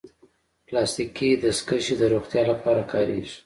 پلاستيکي دستکشې د روغتیا لپاره کارېږي.